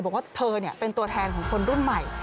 บอกว่าเธอเป็นตัวแทนของคนรุ่นใหม่